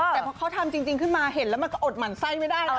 แต่พอเขาทำจริงขึ้นมาเห็นแล้วมันก็อดหมั่นไส้ไม่ได้นะ